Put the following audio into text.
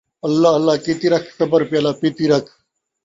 اللہ اللہ کیتی رکھ، صبر پیالہ پیتی رکھ